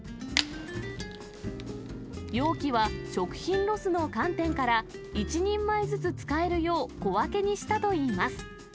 容器は、食品ロスの観点から、１人前ずつ使えるよう、小分けにしたといいます。